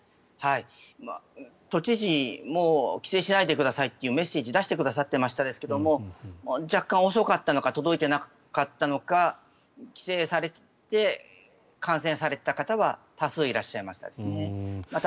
都知事も帰省しないでくださいというメッセージを出してくださっていましたが若干遅かったのか届いてなかったのか帰省されて感染された方は多数いらっしゃいました。